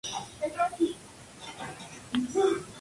Jugo como colegial en Wake Forest.